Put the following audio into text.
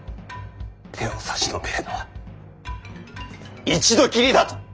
手を差し伸べるのは一度きりだと！